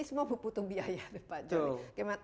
ini semua membutuhkan biaya ya pak joli